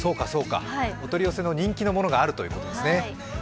お取り寄せの人気のものがあるということですね。